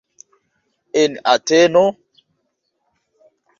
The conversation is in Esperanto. En Ateno?